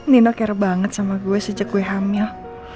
nino kere banget sama gue sejak gue hamil